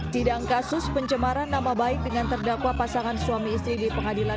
sidang kasus pencemaran nama baik dengan terdakwa pasangan suami istri di pengadilan